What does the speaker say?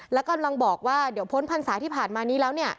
แล้วกำลังบอกว่าเดี๋ยวพ้นพรรษาที่ผ่านมานี้แล้วเนี่ย